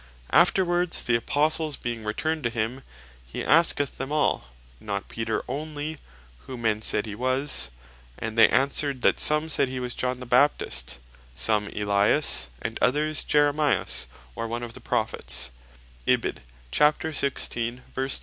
Afterwards the Apostles being returned to him, he asketh them all, (Mat. 16.13) not Peter onely, "Who men said he was;" and they answered, that "some said he was John the Baptist, some Elias, and others Jeremias, or one of the Prophets:" Then (ver. 15.)